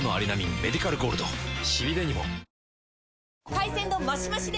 海鮮丼マシマシで！